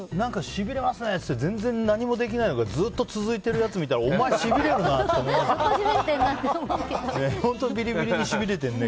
しびれますねぇって全然、何もできないのがずっと続いているやついたらお前、しびれるなって思いますけどね。